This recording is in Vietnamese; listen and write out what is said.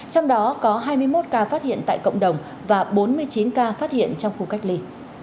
trong đó có hai mươi một ca phát hiện tại cộng đồng và bốn mươi chín ca phát hiện trong khu cách ly